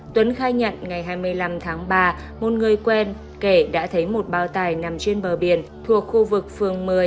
tuấn khai nhận ngày hai mươi năm tháng ba một người quen kể đã thấy một bao tải nằm trên bờ biển thuộc khu vực phường một mươi